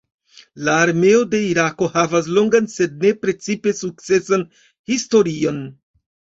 La armeo de Irako havas longan sed ne precipe sukcesan historion.